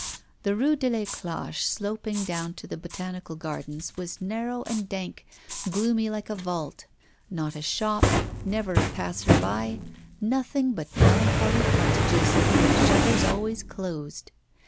The Rue de l'Éclache, sloping down to the Botanical Gardens, was narrow and dank, gloomy, like a vault. Not a shop, never a passer by nothing but melancholy frontages, with shutters always closed.